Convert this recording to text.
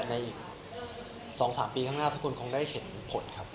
ในอีก๒๓ปีข้างหน้าทุกคนคงได้เห็นผลครับ